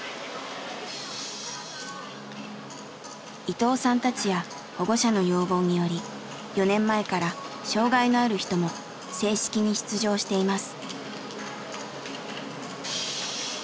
伊藤さんたちや保護者の要望により４年前から障害のある人も正式に出場しています。